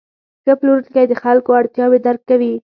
ښه پلورونکی د خلکو اړتیاوې درک کوي.